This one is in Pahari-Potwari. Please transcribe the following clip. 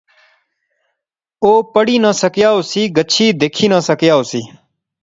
او پڑھی نی سکیا ہوسی گچھی دیکھی نہ سکیا ہوسی